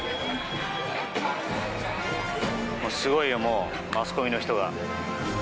すごいよもうマスコミの人が。